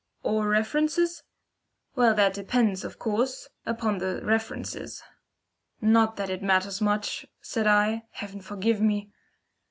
"Or references?" "Well, that depends, of couse, upon the references." "Not that it matters much," said I. (Heaven forgive me!)